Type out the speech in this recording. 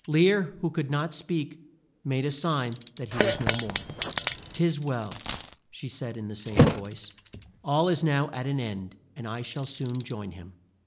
Lear, who could not speak, made a sign that he was no more. "'Tis well," said she in the same voice. "All is now at an end, and I shall soon join him."